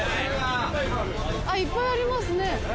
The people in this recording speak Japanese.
あっいっぱいありますね。